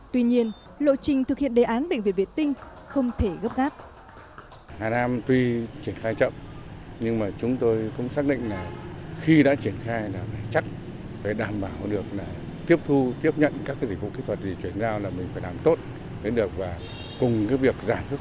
tuy nhiên lộ trình thực hiện đề án bệnh viện vệ tinh không thể gấp gáp